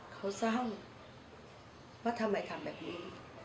เขาเศร้าว่าทำไมทำแบบนี้